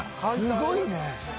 すごいね。